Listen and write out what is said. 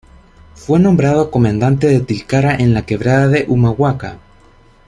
Fue nombrado comandante de Tilcara, en la Quebrada de Humahuaca.